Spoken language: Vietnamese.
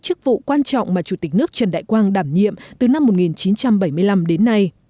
chức vụ quan trọng mà chủ tịch nước trần đại quang đảm nhiệm từ năm một nghìn chín trăm bảy mươi năm đến nay